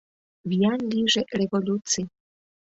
Виян лийже революций!